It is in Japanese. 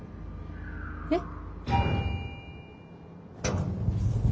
えっ？